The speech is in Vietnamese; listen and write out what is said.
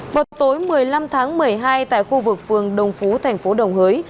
vào tối một mươi năm tháng một mươi hai tại khu vực phường đồng phú tp đồng hới